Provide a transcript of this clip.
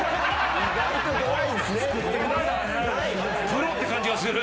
プロって感じがする！